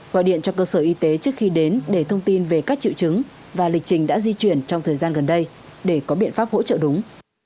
gọi điện cho cơ sở y tế trước khi đến để thông tin về các triệu chứng và lịch trình đã di chuyển trong thời gian gần đây để có biện pháp hỗ trợ đúng